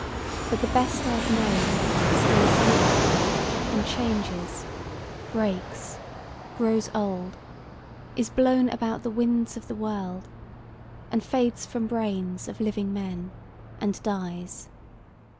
... But the best I've known, Stays here, and changes, breaks, grows old, is blown About the winds of the world, and fades from brains Of living men, and dies.